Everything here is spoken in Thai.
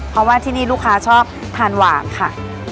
เพราะว่าที่นี่ลูกค้าชอบทานหวานค่ะ